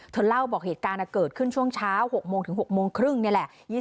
เธอเล่าบอกเหตุการณ์เกิดขึ้นช่วงเช้า๖โมงถึง๖โมงครึ่งนี่แหละ